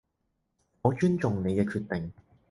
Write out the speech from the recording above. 我尊重你嘅決定